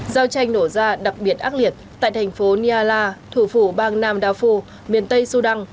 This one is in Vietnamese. giao tranh nổ ra đặc biệt ác liệt tại thành phố niala thủ phủ bang nam đa phu miền tây sudan